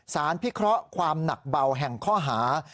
พิเคราะห์ความหนักเบาแห่งข้อหา